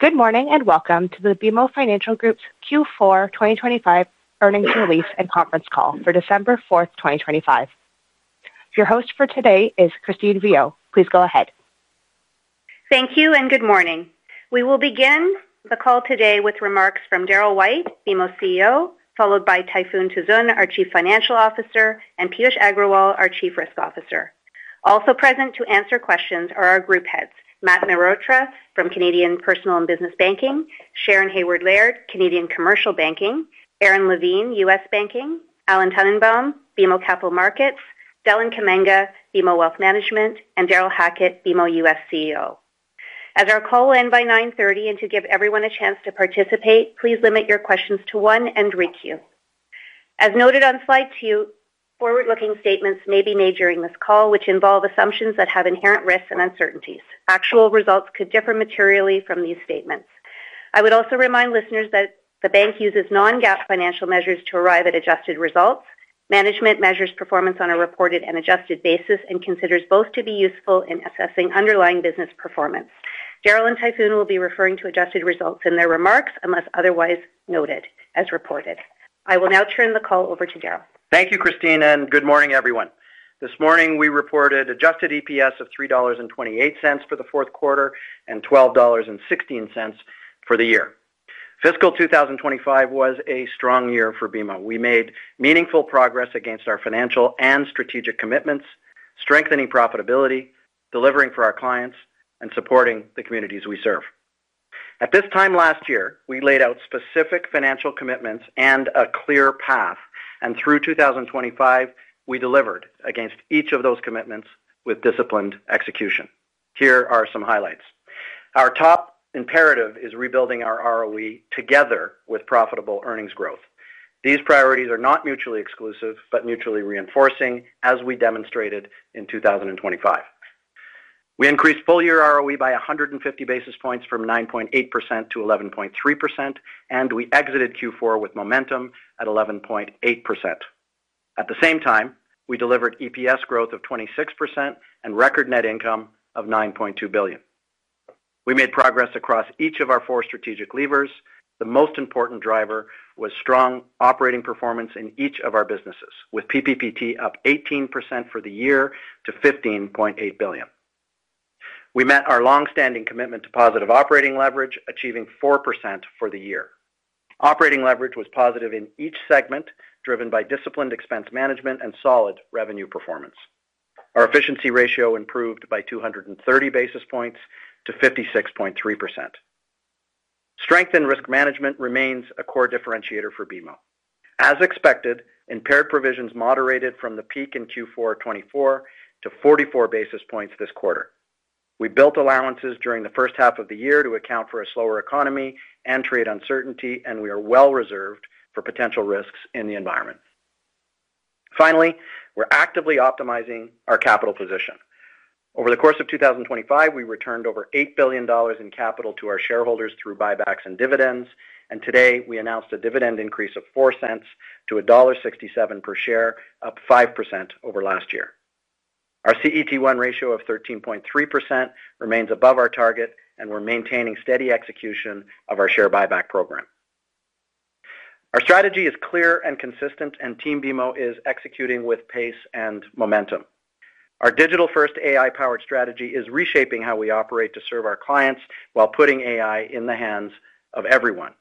Good morning and welcome to the BMO Financial Group's Q4 2025 earnings release and conference call for December 4th, 2025. Your host for today is Christine Viau. Please go ahead. Thank you and good morning. We will begin the call today with remarks from Darryl White, BMO CEO, followed by Tayfun Tuzun, our Chief Financial Officer, and Piyush Agrawal, our Chief Risk Officer. Also present to answer questions are our group heads, Matt Mehrotra from Canadian Personal and Business Banking, Sharon Haward-Laird, Canadian Commercial Banking, Aron Levine, U.S. Banking, Alan Tannenbaum, BMO Capital Markets, Deland Kamanga, BMO Wealth Management, and Darrel Hackett, BMO U.S. CEO. As our call will end by 9:30 A.M. and to give everyone a chance to participate, please limit your questions to one and requeue. As noted on slide two, forward-looking statements may be made during this call, which involve assumptions that have inherent risks and uncertainties. Actual results could differ materially from these statements. I would also remind listeners that the bank uses non-GAAP financial measures to arrive at adjusted results. Management measures performance on a reported and adjusted basis and considers both to be useful in assessing underlying business performance. Darryl and Tayfun will be referring to adjusted results in their remarks unless otherwise noted as reported. I will now turn the call over to Darryl. Thank you, Christine, and good morning, everyone. This morning, we reported adjusted EPS of 3.28 dollars for the fourth quarter and 12.16 dollars for the year. Fiscal 2025 was a strong year for BMO. We made meaningful progress against our financial and strategic commitments, strengthening profitability, delivering for our clients, and supporting the communities we serve. At this time last year, we laid out specific financial commitments and a clear path, and through 2025, we delivered against each of those commitments with disciplined execution. Here are some highlights. Our top imperative is rebuilding our ROE together with profitable earnings growth. These priorities are not mutually exclusive but mutually reinforcing, as we demonstrated in 2025. We increased full-year ROE by 150 basis points from 9.8% to 11.3%, and we exited Q4 with momentum at 11.8%. At the same time, we delivered EPS growth of 26% and record net income of 9.2 billion. We made progress across each of our four strategic levers. The most important driver was strong operating performance in each of our businesses, with PPPT up 18% for the year to 15.8 billion. We met our longstanding commitment to positive operating leverage, achieving 4% for the year. Operating leverage was positive in each segment, driven by disciplined expense management and solid revenue performance. Our efficiency ratio improved by 230 basis points to 56.3%. Strength in risk management remains a core differentiator for BMO. As expected, impaired provisions moderated from the peak in Q4 2024 to 44 basis points this quarter. We built allowances during the first half of the year to account for a slower economy and trade uncertainty, and we are well reserved for potential risks in the environment. Finally, we're actively optimizing our capital position. Over the course of 2025, we returned over 8 billion dollars in capital to our shareholders through buybacks and dividends, and today we announced a dividend increase of 0.04 to dollar 1.67 per share, up 5% over last year. Our CET1 Ratio of 13.3% remains above our target, and we're maintaining steady execution of our share buyback program. Our strategy is clear and consistent, and Team BMO is executing with pace and momentum. Our digital-first AI-powered strategy is reshaping how we operate to serve our clients while putting AI in the hands of everyone.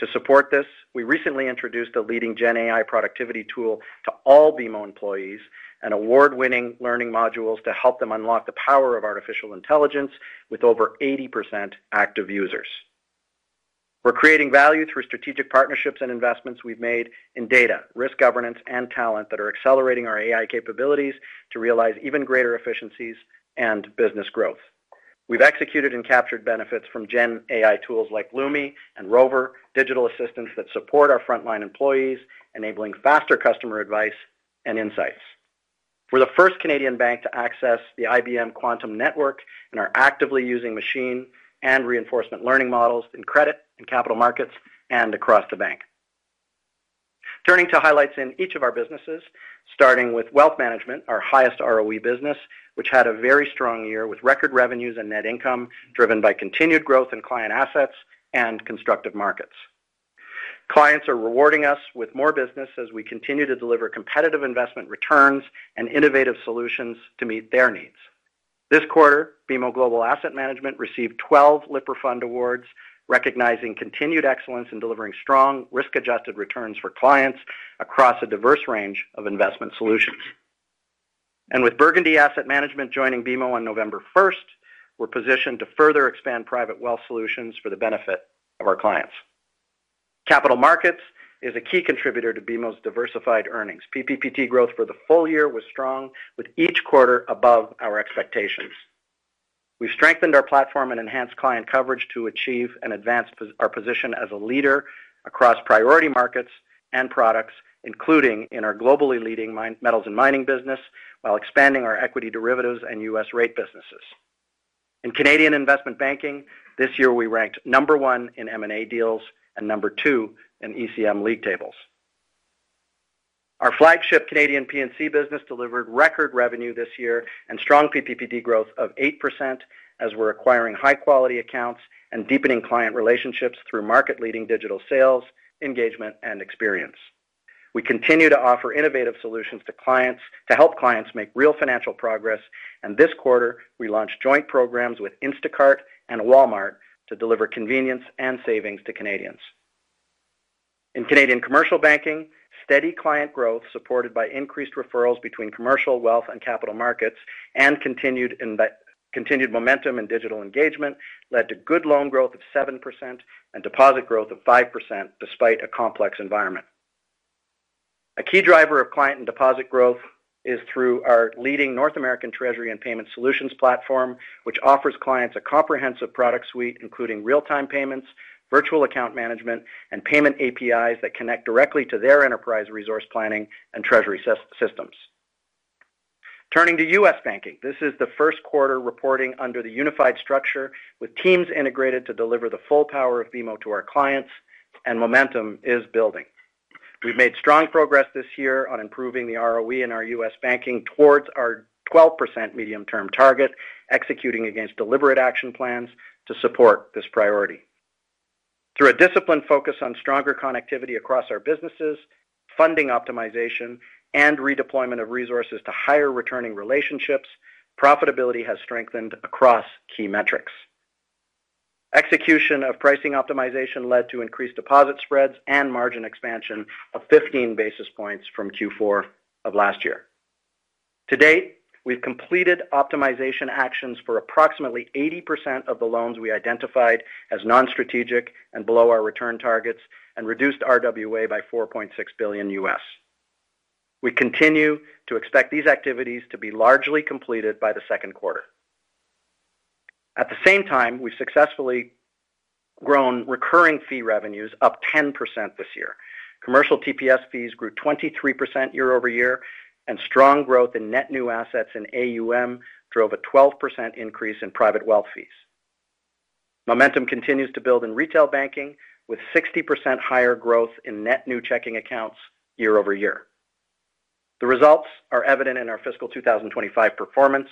To support this, we recently introduced a leading GenAI productivity tool to all BMO employees and award-winning learning modules to help them unlock the power of artificial intelligence with over 80% active users. We're creating value through strategic partnerships and investments we've made in data, risk governance, and talent that are accelerating our AI capabilities to realize even greater efficiencies and business growth. We've executed and captured benefits from GenAI tools like Lumi and Rovr, digital assistants that support our frontline employees, enabling faster customer advice and insights. We're the first Canadian bank to access the IBM Quantum Network and are actively using machine and reinforcement learning models in credit and capital markets and across the bank. Turning to highlights in each of our businesses, starting with Wealth Management, our highest ROE business, which had a very strong year with record revenues and net income driven by continued growth in client assets and constructive markets. Clients are rewarding us with more business as we continue to deliver competitive investment returns and innovative solutions to meet their needs. This quarter, BMO Global Asset Management received 12 Lipper Fund Awards, recognizing continued excellence in delivering strong risk-adjusted returns for clients across a diverse range of investment solutions. And with Burgundy Asset Management joining BMO on November 1st, we're positioned to further expand private wealth solutions for the benefit of our clients. Capital markets is a key contributor to BMO's diversified earnings. PPPT growth for the full year was strong, with each quarter above our expectations. We've strengthened our platform and enhanced client coverage to achieve and advance our position as a leader across priority markets and products, including in our globally leading metals and mining business, while expanding our equity derivatives and U.S. rate businesses. In Canadian investment banking, this year we ranked number one in M&A deals and number two in ECM league tables. Our flagship Canadian P&C business delivered record revenue this year and strong PPPT growth of 8% as we're acquiring high-quality accounts and deepening client relationships through market-leading digital sales, engagement, and experience. We continue to offer innovative solutions to clients to help clients make real financial progress, and this quarter we launched joint programs with Instacart and Walmart to deliver convenience and savings to Canadians. In Canadian commercial banking, steady client growth supported by increased referrals between commercial, wealth, and capital markets and continued momentum in digital engagement led to good loan growth of 7% and deposit growth of 5% despite a complex environment. A key driver of client and deposit growth is through our leading North American Treasury and Payment Solutions platform, which offers clients a comprehensive product suite, including real-time payments, virtual account management, and payment APIs that connect directly to their enterprise resource planning and treasury systems. Turning to U.S. banking, this is the first quarter reporting under the unified structure with teams integrated to deliver the full power of BMO to our clients, and momentum is building. We've made strong progress this year on improving the ROE in our U.S. banking towards our 12% medium-term target, executing against deliberate action plans to support this priority. Through a disciplined focus on stronger connectivity across our businesses, funding optimization, and redeployment of resources to higher returning relationships, profitability has strengthened across key metrics. Execution of pricing optimization led to increased deposit spreads and margin expansion of 15 basis points from Q4 of last year. To date, we've completed optimization actions for approximately 80% of the loans we identified as non-strategic and below our return targets and reduced RWA by $4.6 billion. We continue to expect these activities to be largely completed by the second quarter. At the same time, we've successfully grown recurring fee revenues up 10% this year. Commercial TPS fees grew 23% year-over-year, and strong growth in net new assets in AUM drove a 12% increase in private wealth fees. Momentum continues to build in retail banking with 60% higher growth in net new checking accounts year-over-year. The results are evident in our fiscal 2025 performance.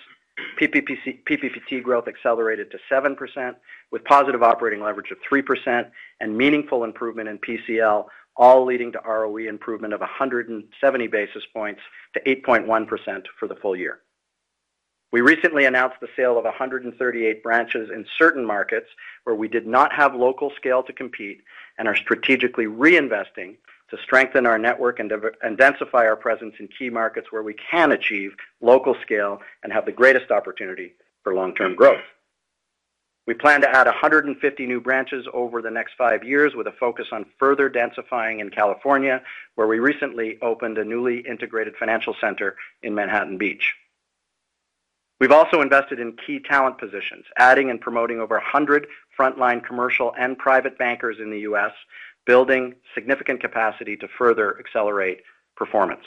PPPT growth accelerated to 7% with positive operating leverage of 3% and meaningful improvement in PCL, all leading to ROE improvement of 170 basis points to 8.1% for the full year. We recently announced the sale of 138 branches in certain markets where we did not have local scale to compete and are strategically reinvesting to strengthen our network and densify our presence in key markets where we can achieve local scale and have the greatest opportunity for long-term growth. We plan to add 150 new branches over the next five years with a focus on further densifying in California, where we recently opened a newly integrated financial center in Manhattan Beach. We've also invested in key talent positions, adding and promoting over 100 frontline commercial and private bankers in the U.S., building significant capacity to further accelerate performance.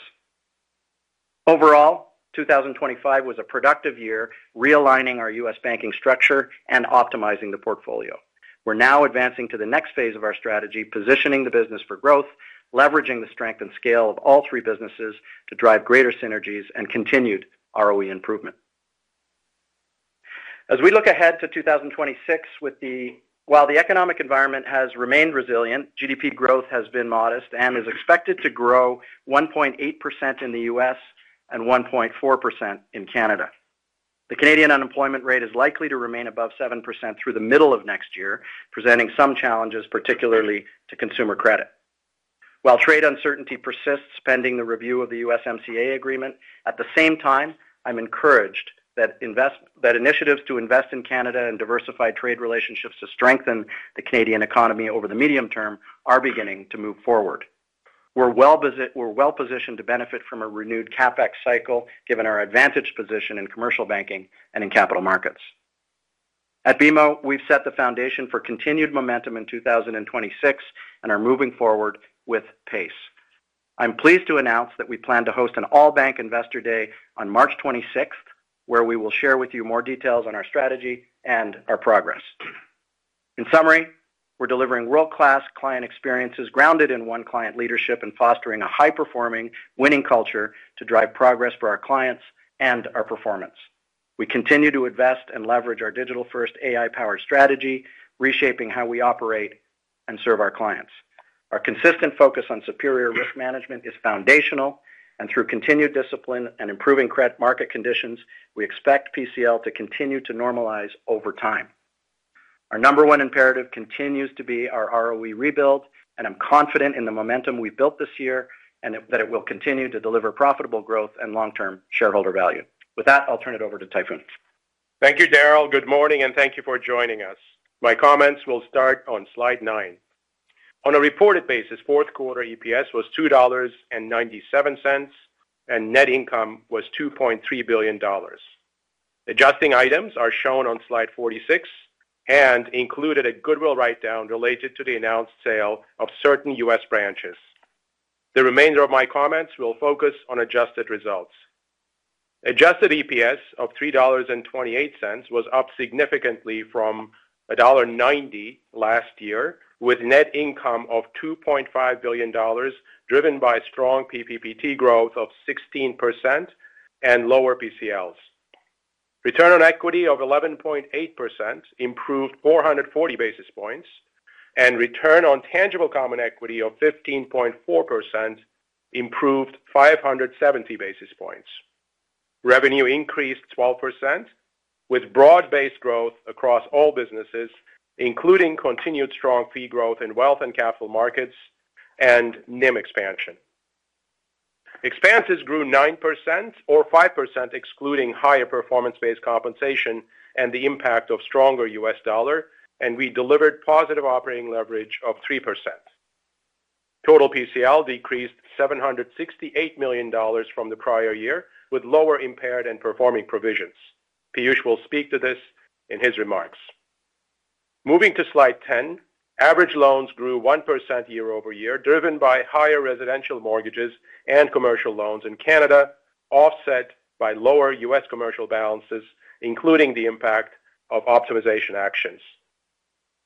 Overall, 2025 was a productive year, realigning our U.S. banking structure and optimizing the portfolio. We're now advancing to the next phase of our strategy, positioning the business for growth, leveraging the strength and scale of all three businesses to drive greater synergies and continued ROE improvement. As we look ahead to 2026, while the economic environment has remained resilient, GDP growth has been modest and is expected to grow 1.8% in the U.S. and 1.4% in Canada. The Canadian unemployment rate is likely to remain above 7% through the middle of next year, presenting some challenges, particularly to consumer credit. While trade uncertainty persists, pending the review of the USMCA Agreement, at the same time, I'm encouraged that initiatives to invest in Canada and diversify trade relationships to strengthen the Canadian economy over the medium term are beginning to move forward. We're well positioned to benefit from a renewed CapEx cycle, given our advantaged position in commercial banking and in capital markets. At BMO, we've set the foundation for continued momentum in 2026 and are moving forward with pace. I'm pleased to announce that we plan to host an all-bank investor day on March 26th, where we will share with you more details on our strategy and our progress. In summary, we're delivering world-class client experiences grounded in one-client leadership and fostering a high-performing, winning culture to drive progress for our clients and our performance. We continue to invest and leverage our digital-first AI-powered strategy, reshaping how we operate and serve our clients. Our consistent focus on superior risk management is foundational, and through continued discipline and improving market conditions, we expect PCL to continue to normalize over time. Our number one imperative continues to be our ROE rebuild, and I'm confident in the momentum we've built this year and that it will continue to deliver profitable growth and long-term shareholder value. With that, I'll turn it over to Tayfun. Thank you, Darryl. Good morning, and thank you for joining us. My comments will start on slide nine. On a reported basis, fourth quarter EPS was 2.97 dollars, and net income was 2.3 billion dollars. Adjusting items are shown on slide 46 and included a goodwill write-down related to the announced sale of certain U.S. branches. The remainder of my comments will focus on adjusted results. Adjusted EPS of 3.28 dollars was up significantly from dollar 1.90 last year, with net income of 2.5 billion dollars driven by strong PPPT growth of 16% and lower PCLs. Return on equity of 11.8% improved 440 basis points, and return on tangible common equity of 15.4% improved 570 basis points. Revenue increased 12%, with broad-based growth across all businesses, including continued strong fee growth in wealth and capital markets and NIM expansion. Expenses grew 9% or 5%, excluding higher performance-based compensation and the impact of stronger U.S. dollar, and we delivered positive operating leverage of 3%. Total PCL decreased 768 million dollars from the prior year, with lower impaired and performing provisions. Piyush will speak to this in his remarks. Moving to slide 10, average loans grew 1% year-over-year, driven by higher residential mortgages and commercial loans in Canada, offset by lower U.S. commercial balances, including the impact of optimization actions.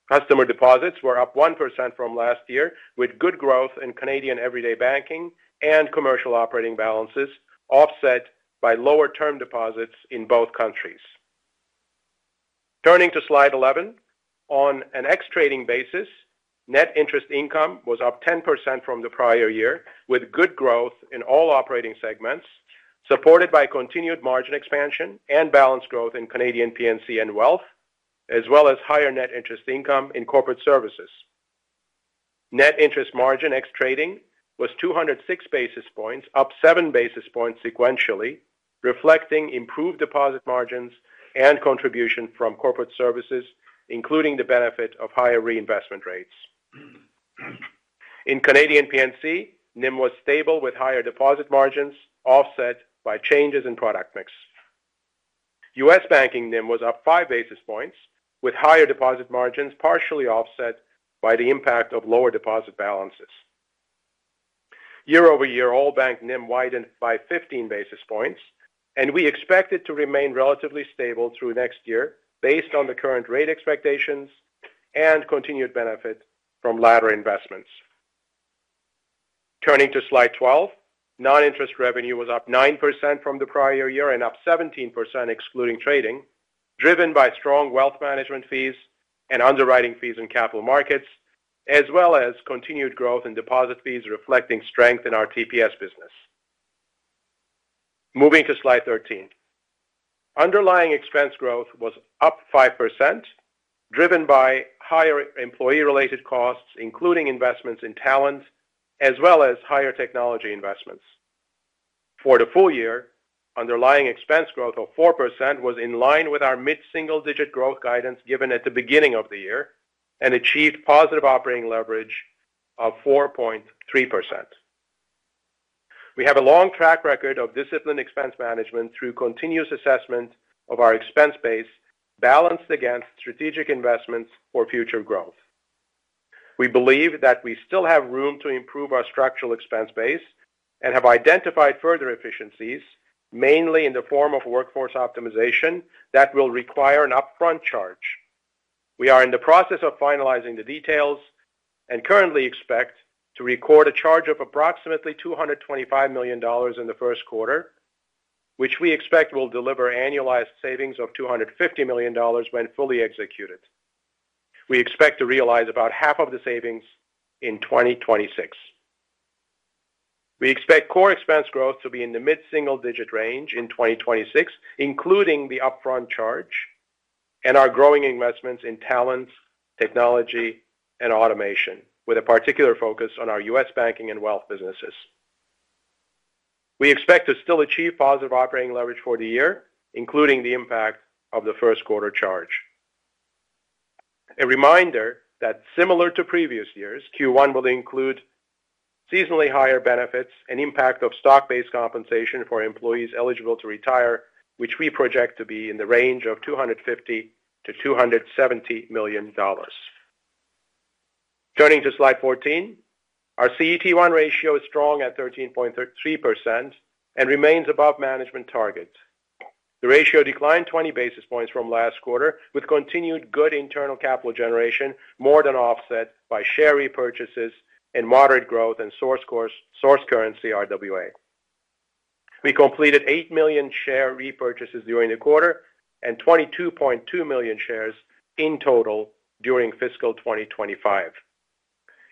Customer deposits were up 1% from last year, with good growth in Canadian everyday banking and commercial operating balances, offset by lower term deposits in both countries. Turning to slide 11, on an ex-trading basis, net interest income was up 10% from the prior year, with good growth in all operating segments, supported by continued margin expansion and balance growth in Canadian P&C and wealth, as well as higher net interest income in corporate services. Net interest margin ex-trading was 206 basis points, up 7 basis points sequentially, reflecting improved deposit margins and contribution from corporate services, including the benefit of higher reinvestment rates. In Canadian P&C, NIM was stable with higher deposit margins, offset by changes in product mix. U.S. banking NIM was up 5 basis points, with higher deposit margins partially offset by the impact of lower deposit balances. year-over-year, all bank NIM widened by 15 basis points, and we expect it to remain relatively stable through next year based on the current rate expectations and continued benefit from ladder investments. Turning to slide 12, non-interest revenue was up 9% from the prior year and up 17%, excluding trading, driven by strong wealth management fees and underwriting fees in capital markets, as well as continued growth in deposit fees, reflecting strength in our TPS business. Moving to slide 13, underlying expense growth was up 5%, driven by higher employee-related costs, including investments in talent, as well as higher technology investments. For the full year, underlying expense growth of 4% was in line with our mid-single-digit growth guidance given at the beginning of the year and achieved positive operating leverage of 4.3%. We have a long track record of disciplined expense management through continuous assessment of our expense base balanced against strategic investments for future growth. We believe that we still have room to improve our structural expense base and have identified further efficiencies, mainly in the form of workforce optimization that will require an upfront charge. We are in the process of finalizing the details and currently expect to record a charge of approximately 225 million dollars in the first quarter, which we expect will deliver annualized savings of 250 million dollars when fully executed. We expect to realize about half of the savings in 2026. We expect core expense growth to be in the mid-single-digit range in 2026, including the upfront charge, and our growing investments in talent, technology, and automation, with a particular focus on our U.S. banking and wealth businesses. We expect to still achieve positive operating leverage for the year, including the impact of the first quarter charge. A reminder that, similar to previous years, Q1 will include seasonally higher benefits and impact of stock-based compensation for employees eligible to retire, which we project to be in the range of 250 million-270 million dollars. Turning to slide 14, our CET1 Ratio is strong at 13.3% and remains above management target. The ratio declined 20 basis points from last quarter, with continued good internal capital generation more than offset by share repurchases and moderate growth in source currency, RWA. We completed eight million share repurchases during the quarter and 22.2 million shares in total during fiscal 2025.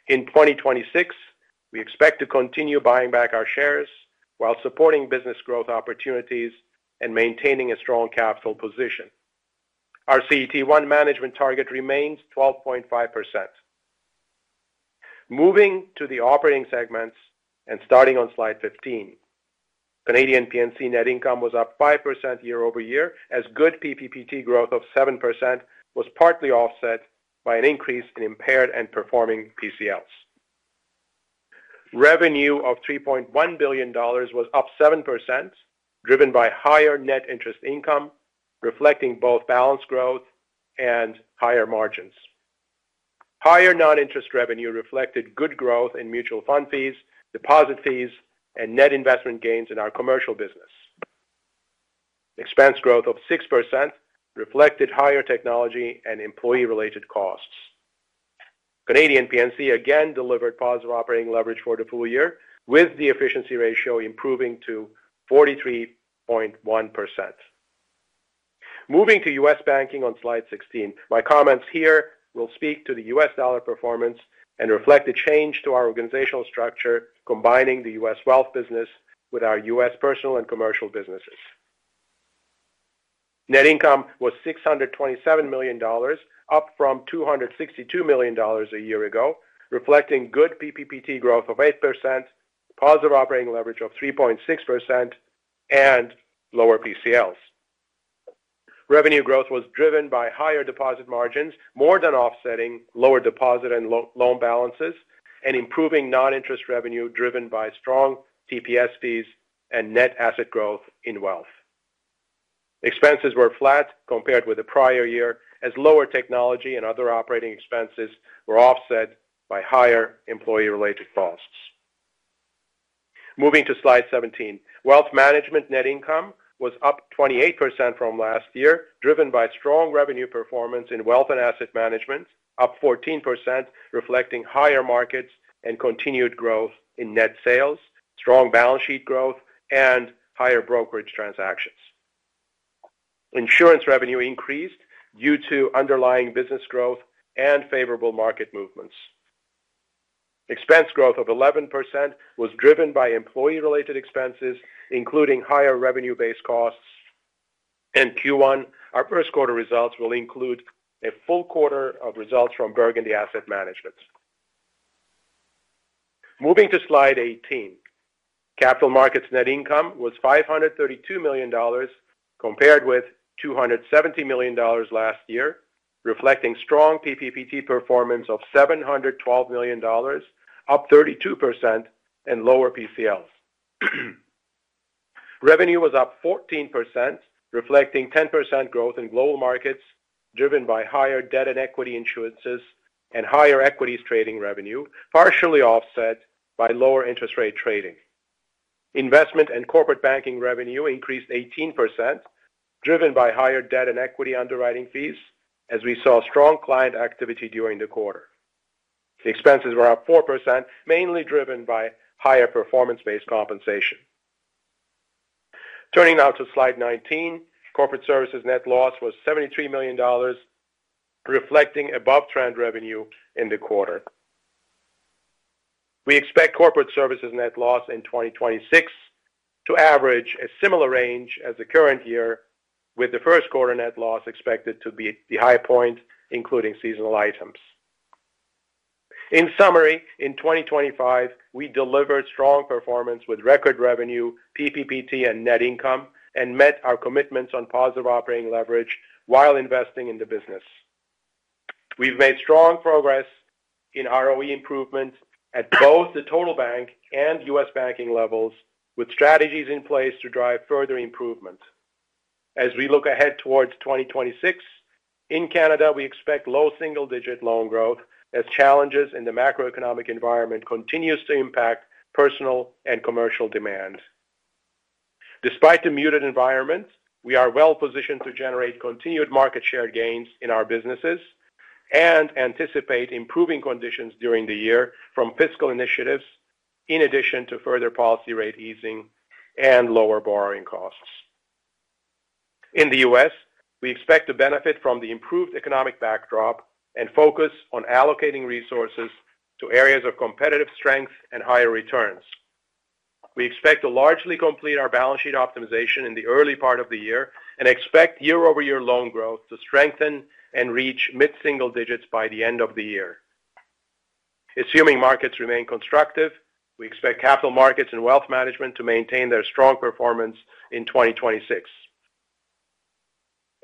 In 2026, we expect to continue buying back our shares while supporting business growth opportunities and maintaining a strong capital position. Our CET1 management target remains 12.5%. Moving to the operating segments and starting on slide 15, Canadian P&C net income was up 5% year-over-year as good PPPT growth of 7% was partly offset by an increase in impaired and performing PCLs. Revenue of $3.1 billion was up 7%, driven by higher net interest income, reflecting both balance growth and higher margins. Higher non-interest revenue reflected good growth in mutual fund fees, deposit fees, and net investment gains in our commercial business. Expense growth of 6% reflected higher technology and employee-related costs. Canadian P&C again delivered positive operating leverage for the full year, with the efficiency ratio improving to 43.1%. Moving to U.S. banking on slide 16, my comments here will speak to the U.S. dollar performance and reflect a change to our organizational structure, combining the U.S. wealth business with our U.S. personal and commercial businesses. Net income was $627 million, up from $262 million a year ago, reflecting good PPPT growth of 8%, positive operating leverage of 3.6%, and lower PCLs. Revenue growth was driven by higher deposit margins, more than offsetting lower deposit and loan balances, and improving non-interest revenue driven by strong TPS fees and net asset growth in wealth. Expenses were flat compared with the prior year, as lower technology and other operating expenses were offset by higher employee-related costs. Moving to slide 17, wealth management net income was up 28% from last year, driven by strong revenue performance in wealth and asset management, up 14%, reflecting higher markets and continued growth in net sales, strong balance sheet growth, and higher brokerage transactions. Insurance revenue increased due to underlying business growth and favorable market movements. Expense growth of 11% was driven by employee-related expenses, including higher revenue-based costs. In Q1, our first quarter results will include a full quarter of results from Burgundy Asset Management. Moving to slide 18, capital markets net income was $532 million compared with $270 million last year, reflecting strong PPPT performance of $712 million, up 32%, and lower PCLs. Revenue was up 14%, reflecting 10% growth in global markets, driven by higher debt and equity issuances and higher equities trading revenue, partially offset by lower interest rate trading. Investment and corporate banking revenue increased 18%, driven by higher debt and equity underwriting fees, as we saw strong client activity during the quarter. Expenses were up 4%, mainly driven by higher performance-based compensation. Turning now to slide 19, corporate services net loss was $73 million, reflecting above-trend revenue in the quarter. We expect corporate services net loss in 2026 to average a similar range as the current year, with the first quarter net loss expected to be the high point, including seasonal items. In summary, in 2025, we delivered strong performance with record revenue, PPPT, and net income, and met our commitments on positive operating leverage while investing in the business. We've made strong progress in ROE improvement at both the total bank and U.S. banking levels, with strategies in place to drive further improvement. As we look ahead toward 2026, in Canada, we expect low single-digit loan growth as challenges in the macroeconomic environment continue to impact personal and commercial demand. Despite the muted environment, we are well-positioned to generate continued market share gains in our businesses and anticipate improving conditions during the year from fiscal initiatives, in addition to further policy rate easing and lower borrowing costs. In the U.S., we expect to benefit from the improved economic backdrop and focus on allocating resources to areas of competitive strength and higher returns. We expect to largely complete our balance sheet optimization in the early part of the year and expect year-over-year loan growth to strengthen and reach mid-single digits by the end of the year. Assuming markets remain constructive, we expect capital markets and wealth management to maintain their strong performance in 2026.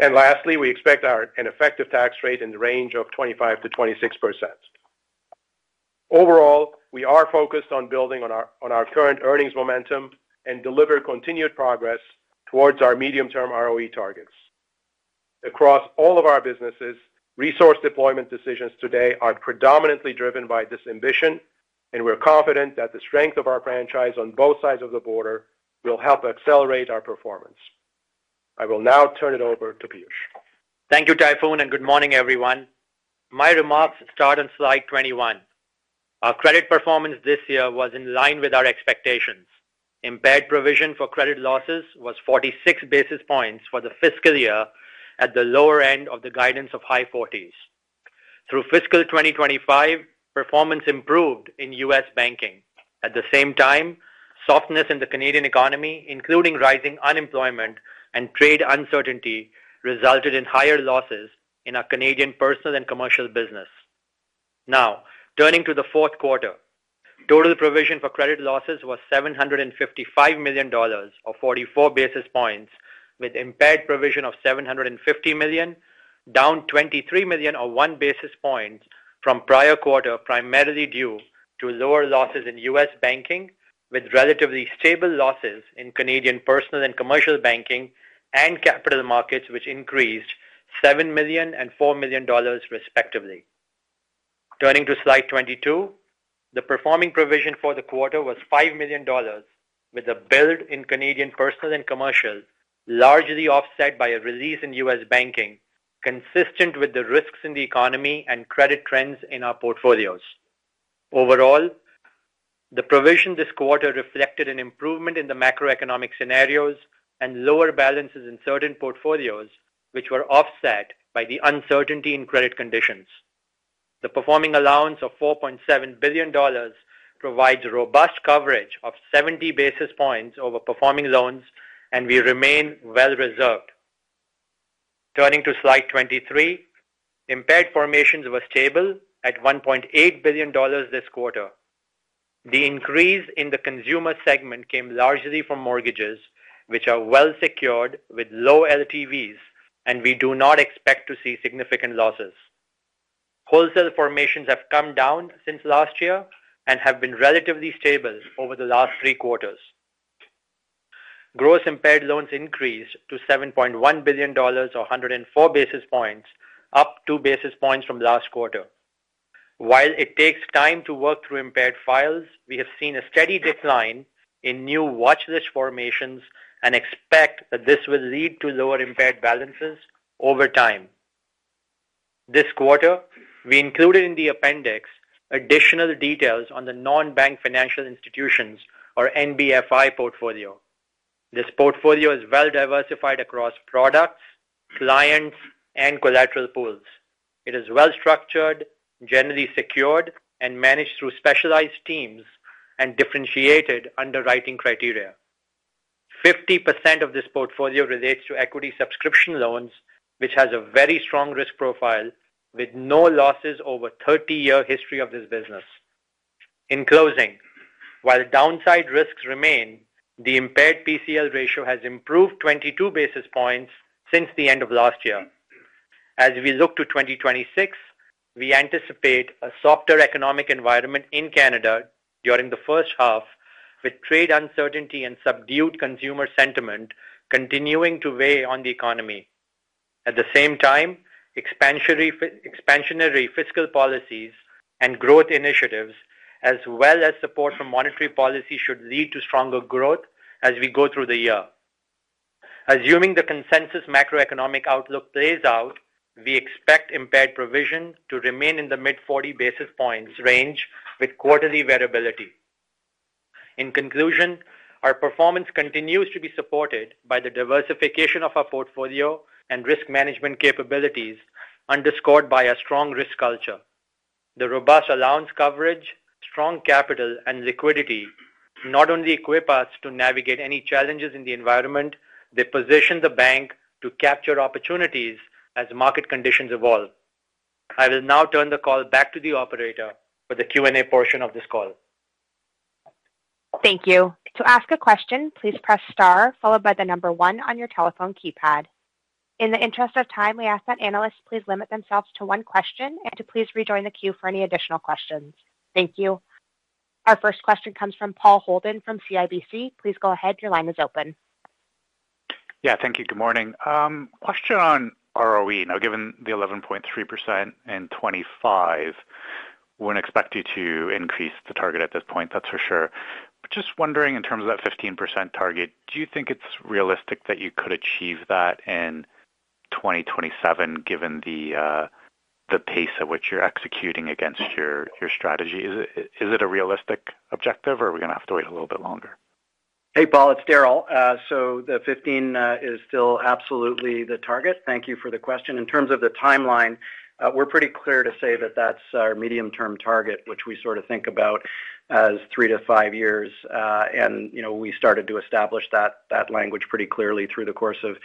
Lastly, we expect an effective tax rate in the range of 25%-26%. Overall, we are focused on building on our current earnings momentum and deliver continued progress towards our medium-term ROE targets. Across all of our businesses, resource deployment decisions today are predominantly driven by this ambition, and we're confident that the strength of our franchise on both sides of the border will help accelerate our performance. I will now turn it over to Piyush. Thank you, Tayfun, and good morning, everyone. My remarks start on slide 21. Our credit performance this year was in line with our expectations. Impaired provision for credit losses was 46 basis points for the fiscal year, at the lower end of the guidance of high 40s. Through fiscal 2025, performance improved in U.S. banking. At the same time, softness in the Canadian economy, including rising unemployment and trade uncertainty, resulted in higher losses in our Canadian personal and commercial business. Now, turning to the fourth quarter, total provision for credit losses was 755 million dollars, or 44 basis points, with impaired provision of 750 million, down 23 million, or one basis point, from prior quarter, primarily due to lower losses in U.S. banking, with relatively stable losses in Canadian personal and commercial banking and capital markets, which increased 7 million and 4 million dollars, respectively. Turning to slide 22, the performing provision for the quarter was 5 million dollars, with a build in Canadian personal and commercial, largely offset by a release in U.S. banking, consistent with the risks in the economy and credit trends in our portfolios. Overall, the provision this quarter reflected an improvement in the macroeconomic scenarios and lower balances in certain portfolios, which were offset by the uncertainty in credit conditions. The performing allowance of 4.7 billion dollars provides robust coverage of 70 basis points over performing loans, and we remain well-reserved. Turning to slide 23, impaired formations were stable at CAD 1.8 billion this quarter. The increase in the consumer segment came largely from mortgages, which are well-secured with low LTVs, and we do not expect to see significant losses. Wholesale formations have come down since last year and have been relatively stable over the last three quarters. Gross impaired loans increased to 7.1 billion dollars, or 104 basis points, up 2 basis points from last quarter. While it takes time to work through impaired files, we have seen a steady decline in new watchlist formations and expect that this will lead to lower impaired balances over time. This quarter, we included in the appendix additional details on the Nonbank Financial Institutions, or NBFI, portfolio. This portfolio is well-diversified across products, clients, and collateral pools. It is well-structured, generally secured, and managed through specialized teams and differentiated underwriting criteria. 50% of this portfolio relates to equity subscription loans, which has a very strong risk profile, with no losses over 30-year history of this business. In closing, while downside risks remain, the impaired PCL ratio has improved 22 basis points since the end of last year. As we look to 2026, we anticipate a softer economic environment in Canada during the first half, with trade uncertainty and subdued consumer sentiment continuing to weigh on the economy. At the same time, expansionary fiscal policies and growth initiatives, as well as support from monetary policy, should lead to stronger growth as we go through the year. Assuming the consensus macroeconomic outlook plays out, we expect impaired provision to remain in the mid-40 basis points range with quarterly variability. In conclusion, our performance continues to be supported by the diversification of our portfolio and risk management capabilities, underscored by a strong risk culture. The robust allowance coverage, strong capital, and liquidity not only equip us to navigate any challenges in the environment. They position the bank to capture opportunities as market conditions evolve. I will now turn the call back to the operator for the Q&A portion of this call. Thank you. To ask a question, please press star, followed by the number one on your telephone keypad. In the interest of time, we ask that analysts please limit themselves to one question and to please rejoin the queue for any additional questions. Thank you. Our first question comes from Paul Holden from CIBC. Please go ahead. Your line is open. Yeah, thank you. Good morning. Question on ROE. Now, given the 11.3% in 2025, we wouldn't expect you to increase the target at this point, that's for sure. But just wondering, in terms of that 15% target, do you think it's realistic that you could achieve that in 2027, given the pace at which you're executing against your strategy? Is it a realistic objective, or are we going to have to wait a little bit longer? Hey, Paul, it's Darryl. So the 15% is still absolutely the target. Thank you for the question. In terms of the timeline, we're pretty clear to say that that's our medium-term target, which we sort of think about as three to five years. And we started to establish that language pretty clearly through the course of this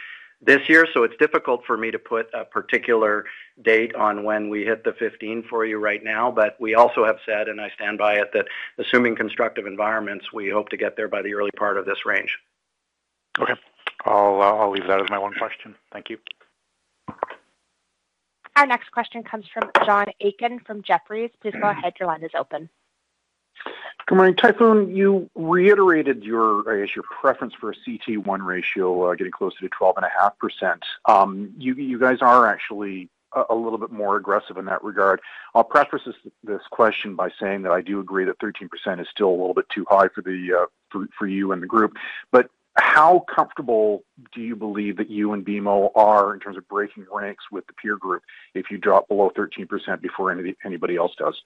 year. So it's difficult for me to put a particular date on when we hit the 15% for you right now, but we also have said, and I stand by it, that assuming constructive environments, we hope to get there by the early part of this range. Okay. I'll leave that as my one question. Thank you. Our next question comes from John Aiken from Jefferies. Please go ahead. Your line is open. Good morning. Tayfun, you reiterated your preference for a CET1 Ratio getting closer to 12.5%. You guys are actually a little bit more aggressive in that regard. I'll preface this question by saying that I do agree that 13% is still a little bit too high for you and the group. But how comfortable do you believe that you and BMO are in terms of breaking ranks with the peer group if you drop below 13% before anybody else does?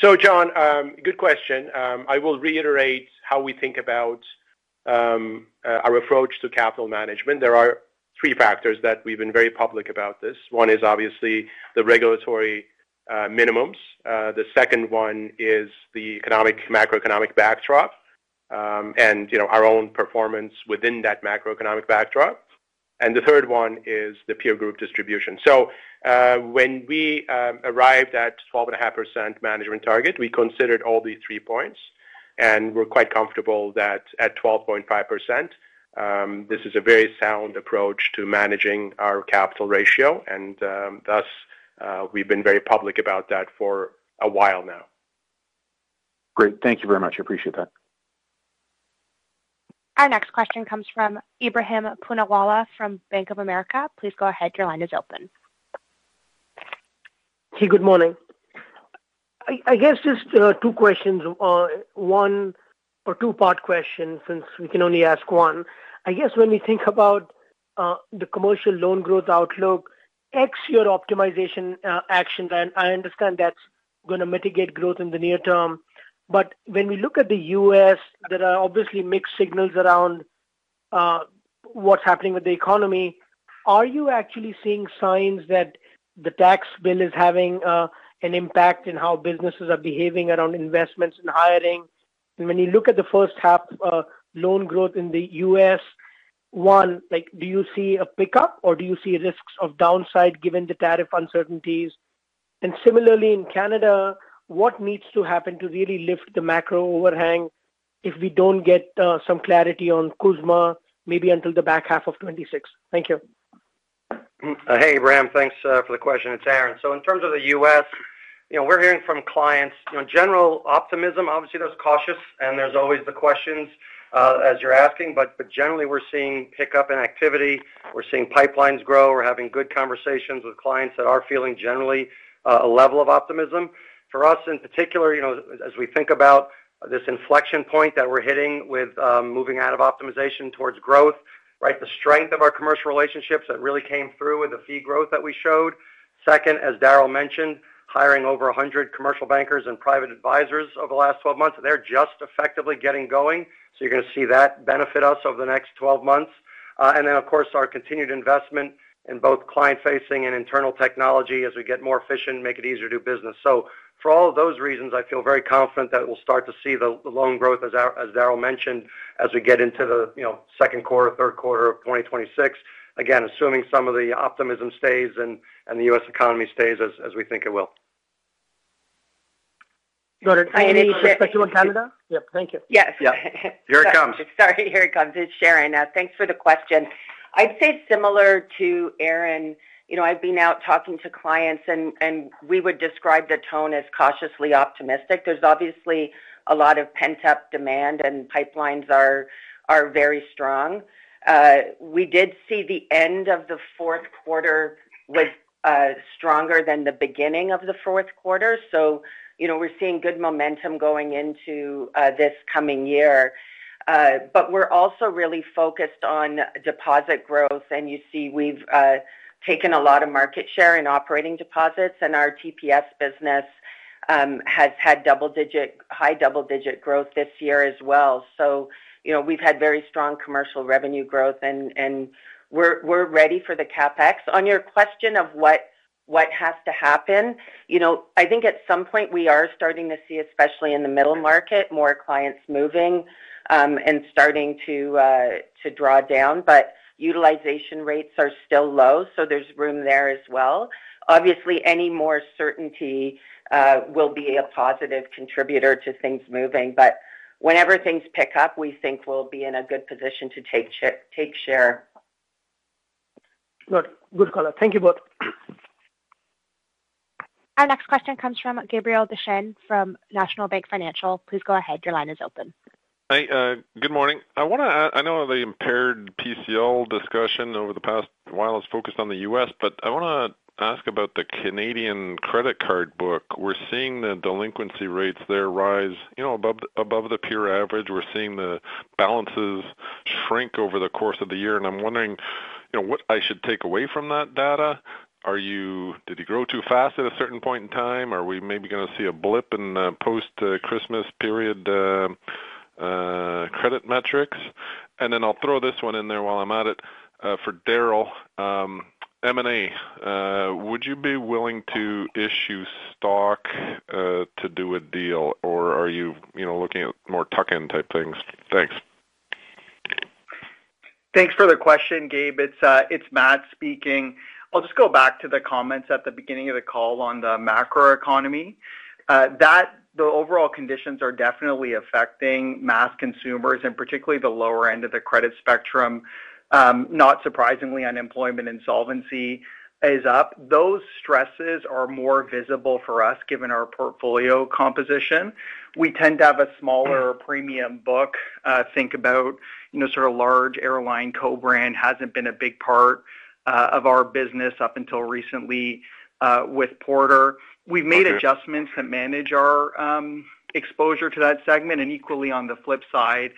So, John, good question. I will reiterate how we think about our approach to capital management. There are three factors that we've been very public about this. One is, obviously, the regulatory minimums. The second one is the macroeconomic backdrop and our own performance within that macroeconomic backdrop. And the third one is the peer group distribution. So when we arrived at 12.5% management target, we considered all these three points, and we're quite comfortable that at 12.5%, this is a very sound approach to managing our capital ratio. And thus, we've been very public about that for a while now. Great. Thank you very much. Appreciate that. Our next question comes from Ebrahim Poonawala from Bank of America. Please go ahead. Your line is open. Hey, good morning. I guess just two questions. One or two-part question, since we can only ask one. I guess when we think about the commercial loan growth outlook, ex-year optimization action, I understand that's going to mitigate growth in the near term. But when we look at the U.S., there are obviously mixed signals around what's happening with the economy. Are you actually seeing signs that the tax bill is having an impact in how businesses are behaving around investments and hiring? And when you look at the first-half loan growth in the U.S., one, do you see a pickup, or do you see risks of downside given the tariff uncertainties? Similarly, in Canada, what needs to happen to really lift the macro overhang if we don't get some clarity on CUSMA, maybe until the back half of 2026? Thank you. Hey, Ebrahim. Thanks for the question. It's Aron. So in terms of the U.S., we're hearing from clients general optimism. Obviously, there's cautious, and there's always the questions as you're asking. But generally, we're seeing pickup in activity. We're seeing pipelines grow. We're having good conversations with clients that are feeling generally a level of optimism. For us, in particular, as we think about this inflection point that we're hitting with moving out of optimization towards growth, the strength of our commercial relationships that really came through with the fee growth that we showed. Second, as Darryl mentioned, hiring over 100 commercial bankers and private advisors over the last 12 months, they're just effectively getting going. So you're going to see that benefit us over the next 12 months. And then, of course, our continued investment in both client-facing and internal technology as we get more efficient, make it easier to do business. So for all of those reasons, I feel very confident that we'll start to see the loan growth, as Darryl mentioned, as we get into the second quarter, third quarter of 2026. Again, assuming some of the optimism stays and the U.S. economy stays as we think it will. Got it. Any question on Canada? Yep. Thank you. Yes. Yeah. Here it comes. Sorry. Here it comes. It's Sharon. Thanks for the question. I'd say similar to Aron, I've been out talking to clients, and we would describe the tone as cautiously optimistic. There's obviously a lot of pent-up demand, and pipelines are very strong. We did see the end of the fourth quarter was stronger than the beginning of the fourth quarter. So we're seeing good momentum going into this coming year. But we're also really focused on deposit growth. And you see we've taken a lot of market share in operating deposits, and our TPS business has had high double-digit growth this year as well. So we've had very strong commercial revenue growth, and we're ready for the CapEx. On your question of what has to happen, I think at some point we are starting to see, especially in the middle market, more clients moving and starting to draw down. But utilization rates are still low, so there's room there as well. Obviously, any more certainty will be a positive contributor to things moving. But whenever things pick up, we think we'll be in a good position to take share. Good. Good color. Thank you both. Our next question comes from Gabriel Dechaine from National Bank Financial. Please go ahead. Your line is open. Hey. Good morning. I know the impaired PCL discussion over the past while has focused on the U.S., but I want to ask about the Canadian credit card book. We're seeing the delinquency rates there rise above the peer average. We're seeing the balances shrink over the course of the year. And I'm wondering what I should take away from that data. Did it grow too fast at a certain point in time? Are we maybe going to see a blip in post-Christmas period credit metrics? And then I'll throw this one in there while I'm at it. For Darryl, M&A, would you be willing to issue stock to do a deal, or are you looking at more tuck-in type things? Thanks. Thanks for the question, Gabe. It's Matt speaking. I'll just go back to the comments at the beginning of the call on the macroeconomy. The overall conditions are definitely affecting mass consumers, and particularly the lower end of the credit spectrum. Not surprisingly, unemployment and solvency is up. Those stresses are more visible for us given our portfolio composition. We tend to have a smaller premium book. Think about sort of large airline co-brand hasn't been a big part of our business up until recently with Porter. We've made adjustments to manage our exposure to that segment. And equally, on the flip side,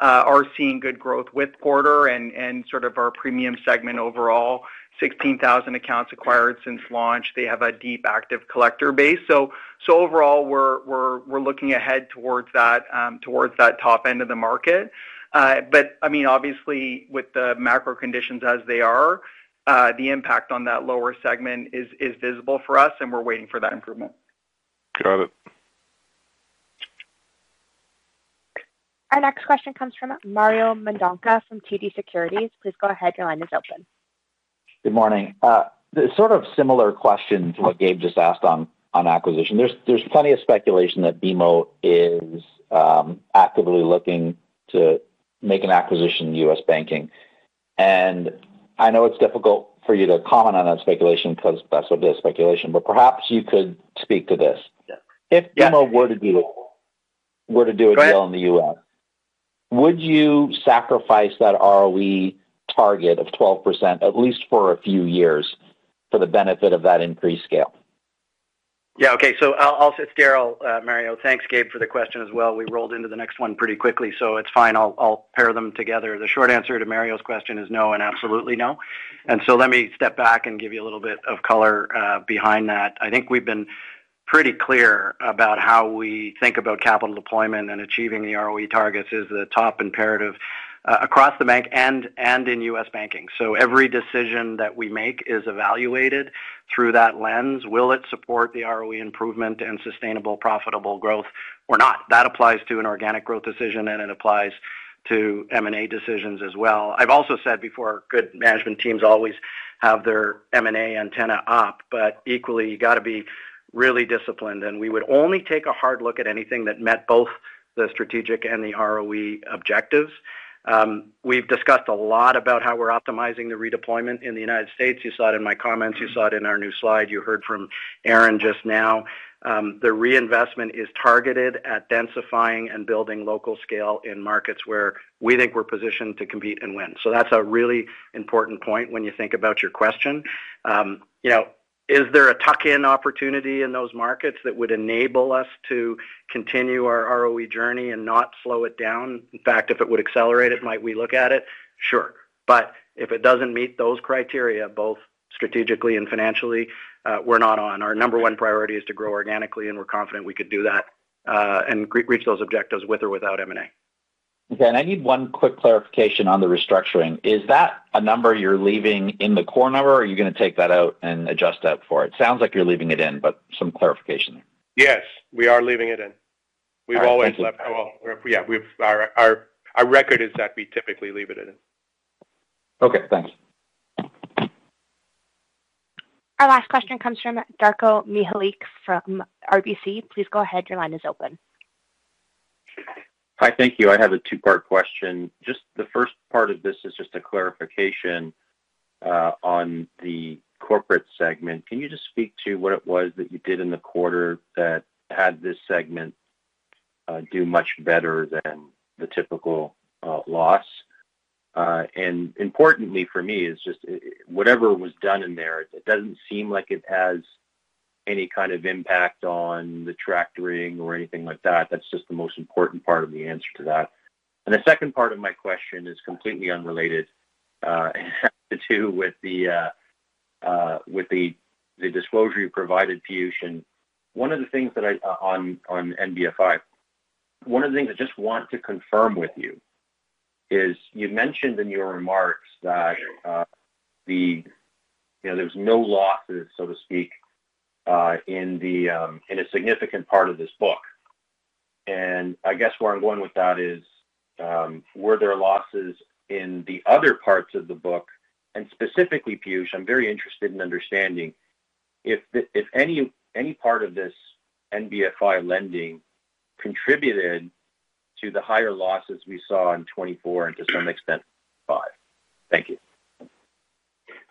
are seeing good growth with Porter and sort of our premium segment overall. 16,000 accounts acquired since launch. They have a deep active collector base. So overall, we're looking ahead towards that top end of the market. But I mean, obviously, with the macro conditions as they are, the impact on that lower segment is visible for us, and we're waiting for that improvement. Got it. Our next question comes from Mario Mendonca from TD Securities. Please go ahead. Your line is open. Good morning. Sort of similar question to what Gabe just asked on acquisition. There's plenty of speculation that BMO is actively looking to make an acquisition in U.S. banking. And I know it's difficult for you to comment on that speculation because that's what it is, speculation, but perhaps you could speak to this. If BMO were to do a deal in the U.S., would you sacrifice that ROE target of 12%, at least for a few years, for the benefit of that increased scale? Yeah. Okay. It's Darryl, Mario. Thanks, Gabe, for the question as well. We rolled into the next one pretty quickly, so it's fine. I'll pair them together. The short answer to Mario's question is no and absolutely no. And so let me step back and give you a little bit of color behind that. I think we've been pretty clear about how we think about capital deployment and achieving the ROE targets is the top imperative across the bank and in U.S. banking. So every decision that we make is evaluated through that lens. Will it support the ROE improvement and sustainable profitable growth or not? That applies to an organic growth decision, and it applies to M&A decisions as well. I've also said before, good management teams always have their M&A antenna up. But equally, you got to be really disciplined. And we would only take a hard look at anything that met both the strategic and the ROE objectives. We've discussed a lot about how we're optimizing the redeployment in the United States. You saw it in my comments. You saw it in our new slide. You heard from Aron just now. The reinvestment is targeted at densifying and building local scale in markets where we think we're positioned to compete and win. So that's a really important point when you think about your question. Is there a tuck-in opportunity in those markets that would enable us to continue our ROE journey and not slow it down? In fact, if it would accelerate it, might we look at it? Sure. But if it doesn't meet those criteria, both strategically and financially, we're not on. Our number one priority is to grow organically, and we're confident we could do that and reach those objectives with or without M&A. Okay. And I need one quick clarification on the restructuring. Is that a number you're leaving in the core number, or are you going to take that out and adjust that for? It sounds like you're leaving it in, but some clarification there. Yes. We are leaving it in. We've always left our, yeah, our record is that we typically leave it in. Okay. Thanks. Our last question comes from Darko Mihelic from RBC. Please go ahead. Your line is open. Hi. Thank you. I have a two-part question. Just the first part of this is just a clarification on the corporate segment. Can you just speak to what it was that you did in the quarter that had this segment do much better than the typical loss? And importantly for me is just whatever was done in there, it doesn't seem like it has any kind of impact on the factoring or anything like that. That's just the most important part of the answer to that. And the second part of my question is completely unrelated to the disclosure you provided today. One of the things, on NBFI, one of the things I just want to confirm with you is you mentioned in your remarks that there was no losses, so to speak, in a significant part of this book. And I guess where I'm going with that is, were there losses in the other parts of the book? And specifically, Piyush, I'm very interested in understanding if any part of this NBFI lending contributed to the higher losses we saw in 2024 and to some extent 2025. Thank you.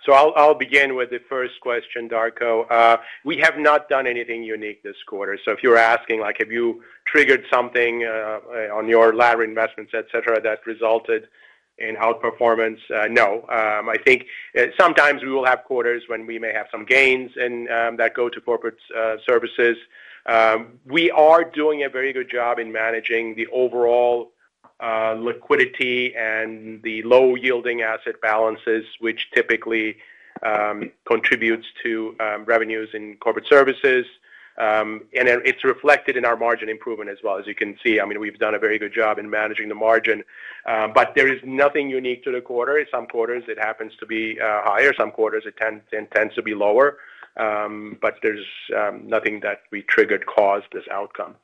So I'll begin with the first question, Darko. We have not done anything unique this quarter. So if you're asking, have you triggered something on your latter investments, etc., that resulted in outperformance? No. I think sometimes we will have quarters when we may have some gains that go to corporate services. We are doing a very good job in managing the overall liquidity and the low-yielding asset balances, which typically contributes to revenues in corporate services. And it's reflected in our margin improvement as well. As you can see, I mean, we've done a very good job in managing the margin. But there is nothing unique to the quarter. In some quarters, it happens to be higher. Some quarters, it tends to be lower. But there's nothing that we triggered caused this outcome.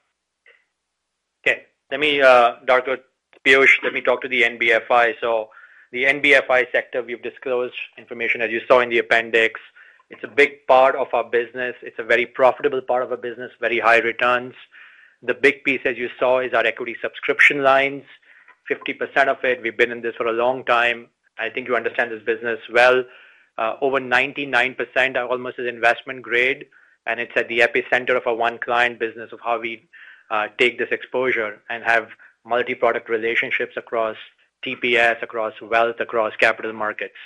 Okay. Let me, Darko, it's Piyush, let me talk to the NBFI. So the NBFI sector, we've disclosed information, as you saw in the appendix. It's a big part of our business. It's a very profitable part of our business, very high returns. The big piece, as you saw, is our equity subscription lines, 50% of it. We've been in this for a long time. I think you understand this business well. Over 99% almost is investment grade, and it's at the epicenter of our one-client business of how we take this exposure and have multi-product relationships across TPS, across wealth, across capital markets.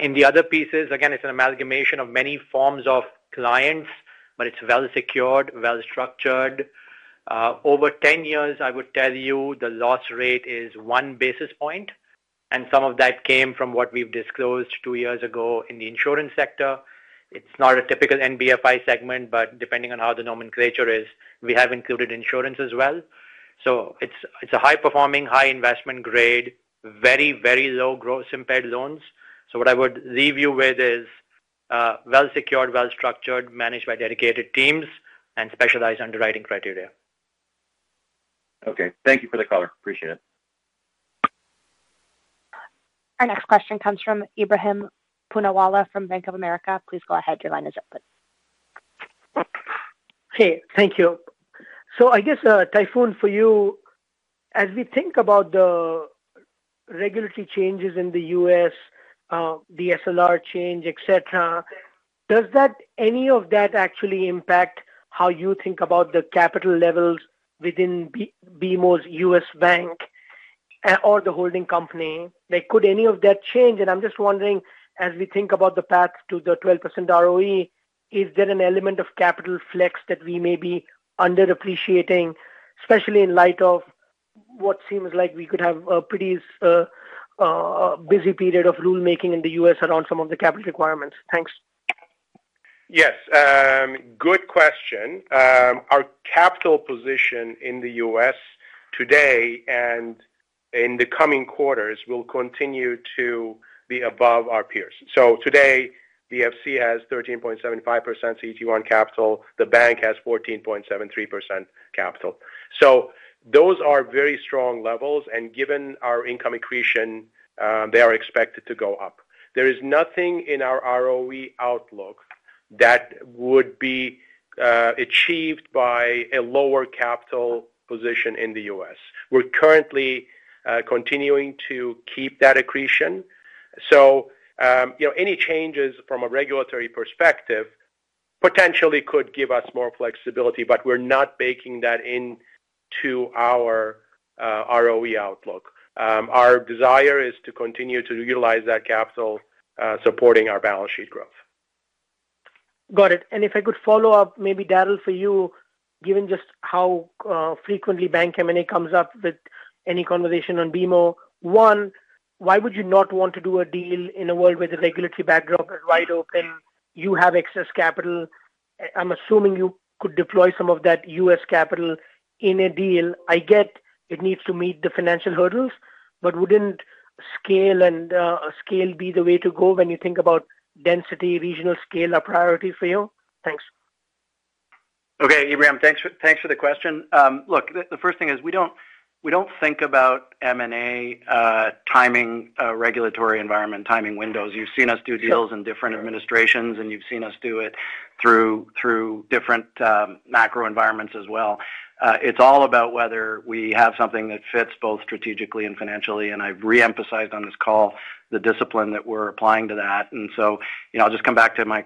In the other pieces, again, it's an amalgamation of many forms of clients, but it's well-secured, well-structured. Over 10 years, I would tell you the loss rate is one basis point, and some of that came from what we've disclosed two years ago in the insurance sector. It's not a typical NBFI segment, but depending on how the nomenclature is, we have included insurance as well. So it's a high-performing, high investment grade, very, very low-growth impaired loans. So what I would leave you with is well-secured, well-structured, managed by dedicated teams and specialized underwriting criteria. Okay. Thank you for the color. Appreciate it. Our next question comes from Ebrahim Poonawala from Bank of America. Please go ahead. Your line is open. Hey. Thank you. So I guess, Tayfun, for you, as we think about the regulatory changes in the U.S., the SLR change, etc., does any of that actually impact how you think about the capital levels within BMO's U.S. bank or the holding company? Could any of that change? And I'm just wondering, as we think about the path to the 12% ROE, is there an element of capital flex that we may be underappreciating, especially in light of what seems like we could have a pretty busy period of rulemaking in the U.S. around some of the capital requirements? Thanks. Yes. Good question. Our capital position in the U.S. today and in the coming quarters will continue to be above our peers, so today, BFC has 13.75% CET1 capital. The bank has 14.73% capital. So those are very strong levels, and given our income accretion, they are expected to go up. There is nothing in our ROE outlook that would be achieved by a lower capital position in the U.S. We're currently continuing to keep that accretion, so any changes from a regulatory perspective potentially could give us more flexibility, but we're not baking that into our ROE outlook. Our desire is to continue to utilize that capital supporting our balance sheet growth. Got it. If I could follow up, maybe, Darryl, for you, given just how frequently bank M&A comes up in any conversation on BMO, one, why would you not want to do a deal in a world with a regulatory backdrop that's wide open? You have excess capital. I'm assuming you could deploy some of that U.S. capital in a deal. I get it needs to meet the financial hurdles, but wouldn't scale be the way to go when you think about density, regional scale are priorities for you? Thanks. Okay. Ebrahim, thanks for the question. Look, the first thing is we don't think about M&A, timing, regulatory environment, timing windows. You've seen us do deals in different administrations, and you've seen us do it through different macro environments as well. It's all about whether we have something that fits both strategically and financially. I've reemphasized on this call the discipline that we're applying to that. So I'll just come back to my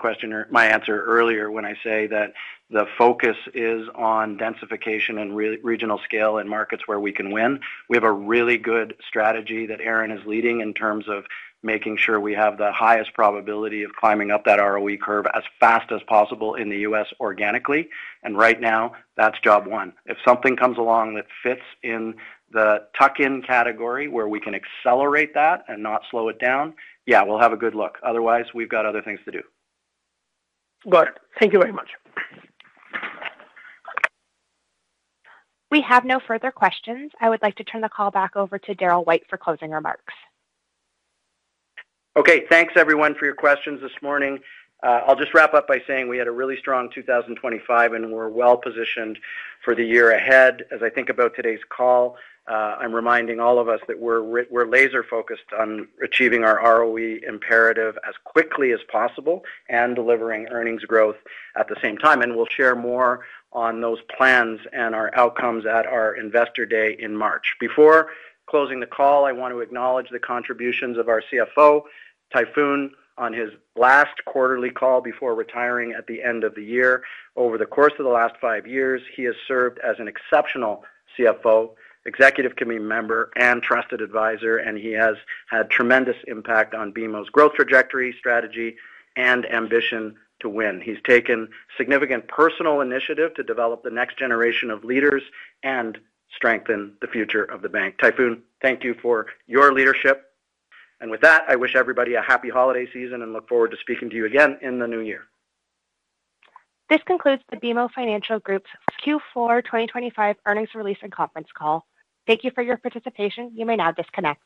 answer earlier when I say that the focus is on densification and regional scale and markets where we can win. We have a really good strategy that Aron is leading in terms of making sure we have the highest probability of climbing up that ROE curve as fast as possible in the U.S. organically. And right now, that's job one. If something comes along that fits in the tuck-in category where we can accelerate that and not slow it down, yeah, we'll have a good look. Otherwise, we've got other things to do. Got it. Thank you very much. We have no further questions. I would like to turn the call back over to Darryl White for closing remarks. Okay. Thanks, everyone, for your questions this morning. I'll just wrap up by saying we had a really strong 2025, and we're well-positioned for the year ahead. As I think about today's call, I'm reminding all of us that we're laser-focused on achieving our ROE imperative as quickly as possible and delivering earnings growth at the same time, and we'll share more on those plans and our outcomes at our investor day in March. Before closing the call, I want to acknowledge the contributions of our CFO, Tayfun, on his last quarterly call before retiring at the end of the year. Over the course of the last five years, he has served as an exceptional CFO, executive committee member, and trusted advisor, and he has had tremendous impact on BMO's growth trajectory, strategy, and ambition to win. He's taken significant personal initiative to develop the next generation of leaders and strengthen the future of the bank. Tayfun, thank you for your leadership, and with that, I wish everybody a happy holiday season and look forward to speaking to you again in the new year. This concludes the BMO Financial Group's Q4 2025 earnings release and conference call. Thank you for your participation. You may now disconnect.